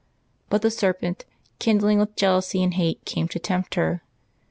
But the serpent, kindling with jealousy and hate, came to tempt her.